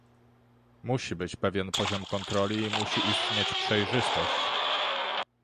Musi być pewien poziom kontroli i musi istnieć przejrzystość